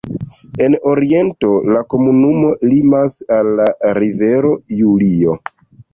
En oriento la komunumo limas al la rivero Julio.